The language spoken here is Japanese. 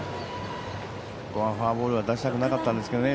ここはフォアボールは出したくなかったんですけどね。